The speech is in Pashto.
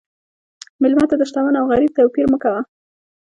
مېلمه ته د شتمن او غریب توپیر مه کوه.